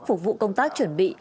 phục vụ công tác chuẩn bị